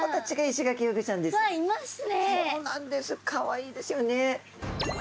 かわいいですよね。